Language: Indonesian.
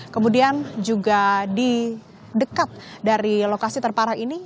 kemudian juga di dekat dari lokasi terparah ini